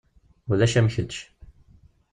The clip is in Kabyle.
Ulac am kečč.